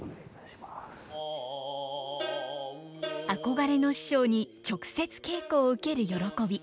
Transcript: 憧れの師匠に直接稽古を受ける喜び。